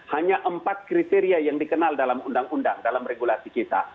hanya empat kriteria yang dikenal dalam undang undang dalam regulasi kita